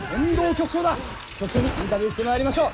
局長にインタビューしてまいりましょう。